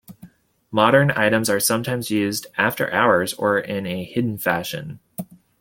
Modern items are sometimes used "after hours" or in a hidden fashion.